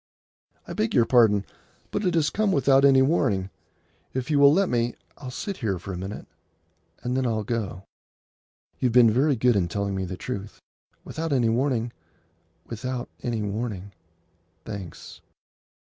"I beg your pardon, but it has come without any warning. If you will let me, I'll sit here for a minute, and then I'll go. You have been very good in telling me the truth. Without any warning; without any warning. Thanks."